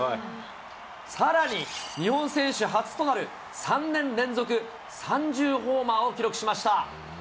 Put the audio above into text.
さらに、日本選手初となる３年連続３０ホーマーを記録しました。